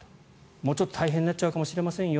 もうちょっと大変になっちゃうかもしれませんよ